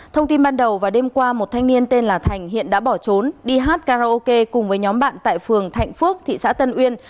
thông tin ban đầu vào đêm qua một thanh niên tên là thành hiện đã bỏ trốn đi hát karaoke cùng với nhóm bạn tại phường thạnh phước thị xã tân uyên